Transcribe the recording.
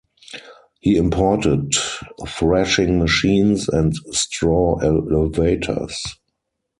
He imported thrashing machines and straw elevators.